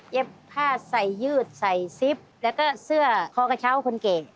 ผ้าใส่ยืดใส่ซิปแล้วก็เสื้อคอกระเช้าคนเก่ง